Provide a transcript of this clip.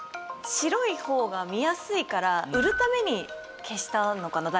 白い方が見やすいから売るために消したのかな？